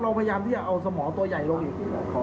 เราพยายามที่จะเอาสมองตัวใหญ่ลงอีก